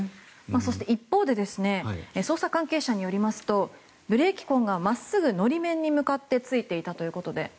一方で捜査関係者によりますとブレーキ痕が真っすぐ法面に向かってついていたと。